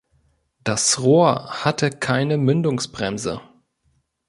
Das Rohr hatte keine Mündungsbremse.